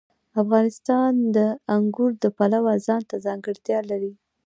افغانستان د انګور د پلوه ځانته ځانګړتیا لري.